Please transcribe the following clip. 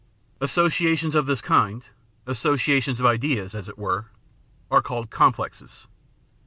Associations of this kind — associations of ideas, as it were — are called complexes.